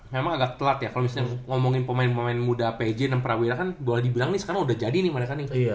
memang agak telat ya kalau misalnya ngomongin pemain pemain muda pj dan prawira kan boleh dibilang nih sekarang udah jadi nih mereka nih